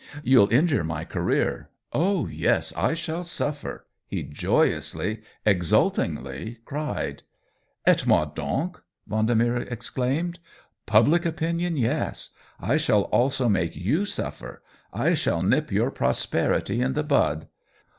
" You'll injure my career. Oh yes, I shall suffer !" he joyously, exultingly cried. " Et moi done /" Vendemer exclaimed. " Public opinion, yes. I shall also make you suffer — I shall nip your prosperity in the bud.